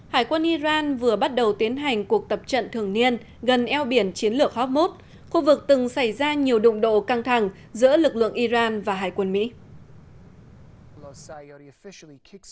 hải quân iran vừa bắt đầu tiến hành cuộc tập trận thường niên gần eo biển chiến lược hokmut khu vực từng xảy ra nhiều đụng độ căng thẳng giữa lực lượng iran và hải quân mỹ